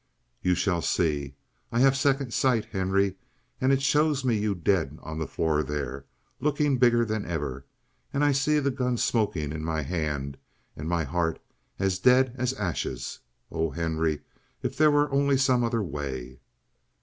"You shall see. I have a second sight, Henry, and it shows me you dead on the floor there, looking bigger than ever, and I see the gun smoking in my hand and my heart as dead as ashes! Oh, Henry, if there were only some other way!"